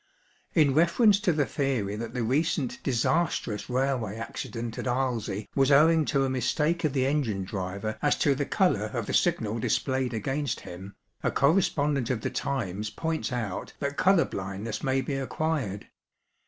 In reference to the theory that the recent disastrous railway accident at Arlesey was owing to a mistake of the engine driver as to the colour of the signal displayed against him, a correspondent of the Times points out that colour blindness may be acquired.